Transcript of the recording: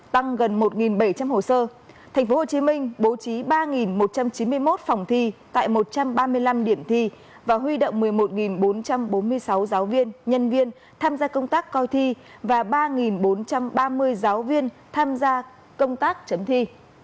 tăng gần một bảy trăm linh hồ sơ tp hcm bố trí ba một trăm chín mươi một phòng thi tại một trăm ba mươi năm điểm thi và huy động một mươi một bốn trăm bốn mươi sáu giáo viên nhân viên tham gia công tác coi thi và ba bốn trăm ba mươi giáo viên tham gia công tác chấm thi